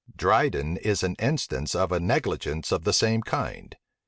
Dryden is an instance of a negligence of the same kind.